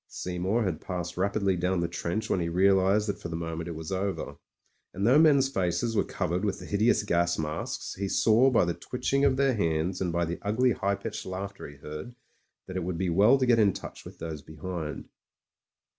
Seymour had passed rapidly down the trench when he realised that for the moment it was over; and though men's faces were covered with the hideous gas masks, b^ j^^w by the twitching of their hands 68 MEN, WOMEN AND GUNS and by the ugly high pitched laughter he heard that it would be well to get into touch with those behind.